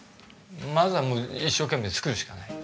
まずはもう一生懸命作るしかない。